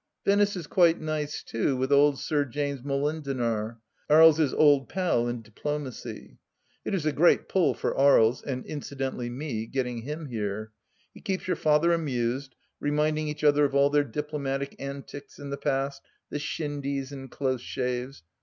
Venice is quite nice, too, with old Sir James Molendinar — Aries' old pal in diplomacy. It is a great pull for Aries — and incidentally me — getting him here. He keeps your father amused, reminding each other of all their diplomatic antics in the past, the shindies and close shaves.